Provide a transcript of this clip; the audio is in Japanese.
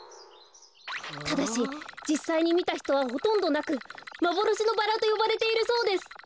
ただしじっさいにみたひとはほとんどなく「まぼろしのバラ」とよばれているそうです。